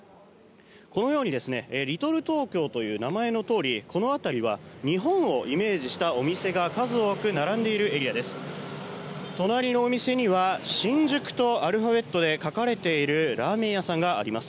このようにリトルトーキョーという名前のとおりこの辺りは日本をイメージしたお店が数多く並んでいるエリアです。